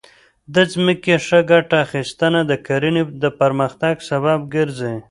د ځمکې ښه ګټه اخیستنه د کرنې د پرمختګ سبب ګرځي.